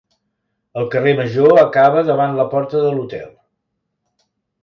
El carrer major acaba davant la porta de l'hotel.